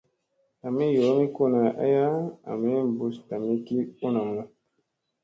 Hamii yoomi kuna aya ami ɓus tami u namu.